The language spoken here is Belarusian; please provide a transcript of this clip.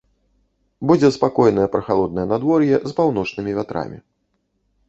Будзе спакойнае прахалоднае надвор'е з паўночнымі вятрамі.